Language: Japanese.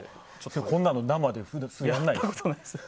こんなの生でやらないですから。